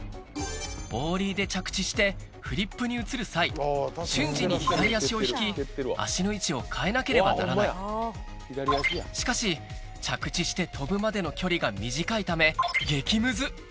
オーリーで着地してフリップに移る際瞬時に左足を引き足の位置を変えなければならないしかし着地して跳ぶまでの距離が短いため激ムズ！